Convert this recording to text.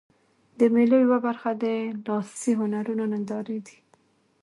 د مېلو یوه برخه د لاسي هنرونو نندارې دي.